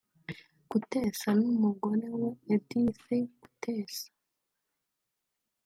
Kutesa n’umugore we Edith Kutesa